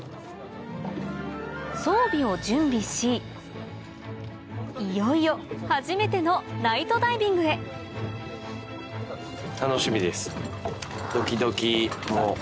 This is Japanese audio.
装備を準備しいよいよ初めてのナイトダイビングへ楽しみです。